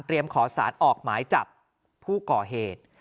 ขอสารออกหมายจับผู้ก่อเหตุ